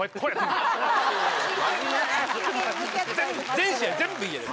全試合全部家で。